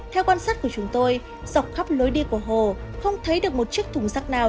theo quan sát của chúng tôi dọc khắp lối đi của hồ không thấy được một chiếc thùng rác nào